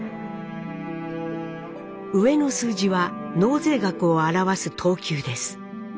上の数字は納税額を表す等級です。